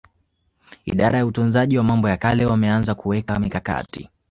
Idara ya Utunzaji wa mambo ya kale wameanza kuweka mikakati